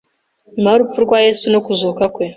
nyuma y’urupfu rwa Yesu no kuzuka kwe